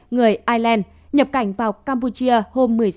người island nhập cảnh vào campuchia hôm một mươi sáu một mươi hai